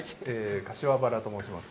柏原と申します。